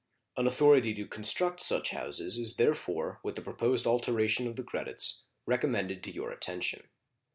An authority to construct such houses is therefore, with the proposed alteration of the credits, recommended to your attention.